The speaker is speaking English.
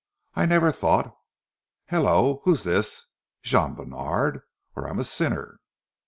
I never thought Hallo! Who's this? Jean Bènard, or I'm a sinner!"